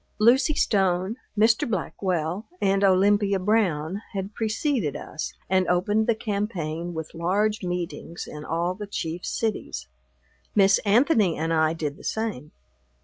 Lucy Stone, Mr. Blackwell, and Olympia Brown had preceded us and opened the campaign with large meetings in all the chief cities. Miss Anthony and I did the same.